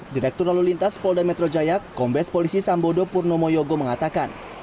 direktur lalu lintas polda metro jaya kombes polisi sambodo purnomo yogo mengatakan